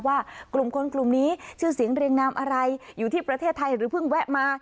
ว่ากลุ่มคนกลุ่มนี้ชื่อเสียงเรียงนามอะไรอยู่ที่ประเทศไทยหรือเพิ่งแวะมา